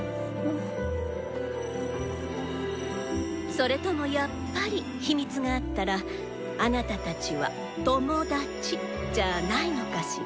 それともやっぱり秘密があったらあなたたちは「トモダチ」じゃあないのかしら？